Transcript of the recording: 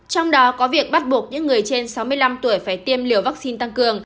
trong đó có việc bắt buộc những người trên sáu mươi năm tuổi phải tiêm liều vaccine tăng cường